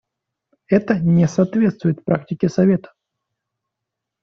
Это не соответствует практике Совета.